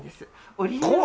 オリジナルは。